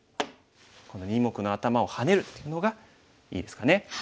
この２目のアタマをハネるというのがいいですかね。